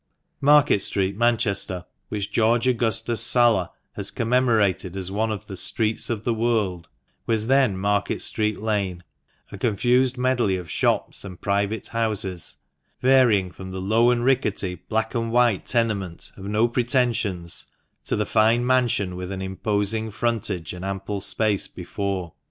Market Street, Manchester, which George Augustus Sala has commemorated as one of the " Streets of the World," was then Market Street Lane, a confused medley of shops and private houses, varying from the low and rickety black and white tenement of no pretensions to the fine mansion with an imposing frontage, and ample space before.